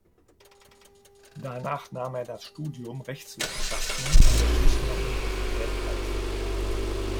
Danach nahm er das Studium Rechtswissenschaften an der Gießener Universität auf.